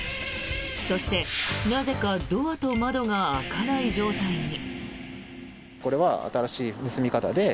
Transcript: そして、なぜかドアと窓が開かない状態に。